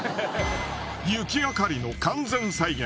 雪あかりの完全再現